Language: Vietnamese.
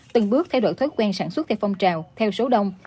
từng bước thay đổi thói quen sản xuất theo phong trào theo số đông